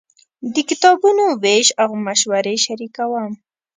د کتابونو وېش او مشورې شریکوم.